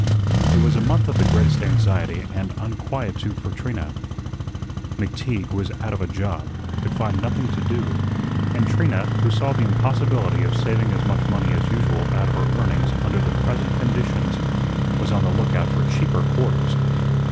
It was a month of the greatest anxiety and unquietude for Trina. McTeague was out of a job, could find nothing to do; and Trina, who saw the impossibility of saving as much money as usual out of her earnings under the present conditions, was on the lookout for cheaper quarters.